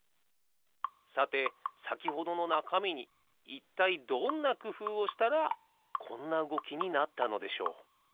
さてさきほどのなかみにいったいどんなくふうをしたらこんなうごきになったのでしょう？